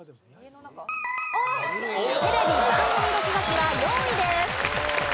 テレビ番組録画機は４位です。